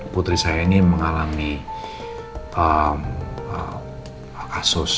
putri saya ini mengalami kasus